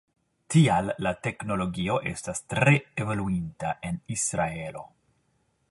Tial la teknologio estas tre evoluinta en Israelo.